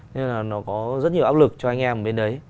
nên là nó có rất nhiều áp lực cho anh em ở bên đấy